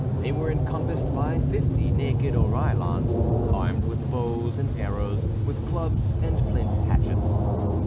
They were encompassed by fifty naked Oreillons, armed with bows and arrows, with clubs and flint hatchets.